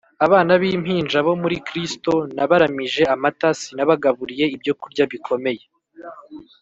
abana b'impinja bo muri Kristo. Nabaramije amata, sinabagaburiye ibyo kurya bikomeye: